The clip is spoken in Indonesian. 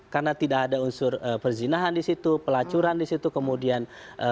karena tidak ada unsur perzinahan di situ pelacuran di situ kemudian